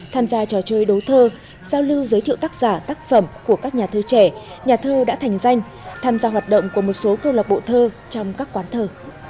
tham gia trò chơi đấu thơ giao lưu giới thiệu tác giả tác phẩm của các nhà thơ trẻ nhà thơ đã thành danh tham gia hoạt động của một số câu lạc bộ thơ trong các quán thờ